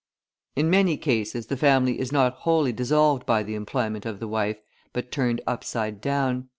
In many cases the family is not wholly dissolved by the employment of the wife, but turned upside down.